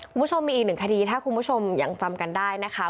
คุณผู้ชมมีอีกหนึ่งคดีถ้าคุณผู้ชมยังจำกันได้นะคะ